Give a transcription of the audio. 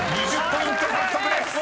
２０ポイント獲得です］